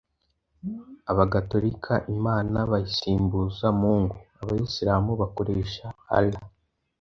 Abagatolika, Imana bayisimbuza Mungu, Abayisilamu bakoresha Allah